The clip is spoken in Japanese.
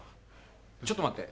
ちょっと待って！